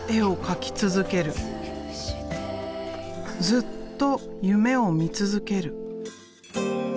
ずっと夢を見続ける。